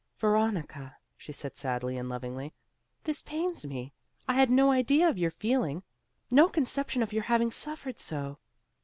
"Veronica," she said, sadly and lovingly, "this pains me. I had no idea of your feeling; no conception of your having suffered so.